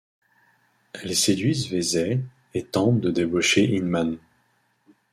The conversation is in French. Elles séduisent Veasey et tentent de débaucher Inman.